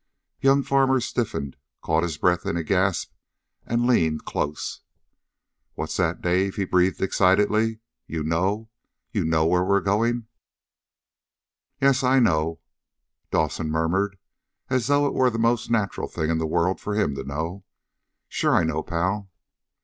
Young Farmer stiffened, caught his breath in a gasp, and leaned close. "What's that, Dave?" he breathed excitedly. "You know? You know where we're going?" "Yes, I know," Dawson murmured, as though it were the most natural thing in the world for him to know. "Sure, I know, pal."